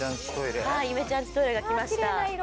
ゆめちゃんちトイレが来ました。